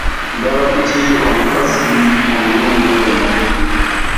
Ndaba ku ki omukazi omulungi ono?